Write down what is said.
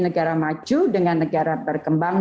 negara maju dengan negara berkembang